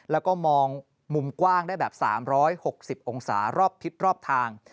แล้วก็มองมุมกว้างได้แบบ๓๖๐องศารอบทิศรอบทาง